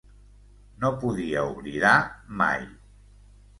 No podia oblidar, mai.